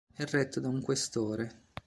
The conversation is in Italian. È retta da un questore.